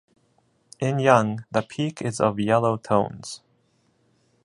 In young, the peak is of yellow tones.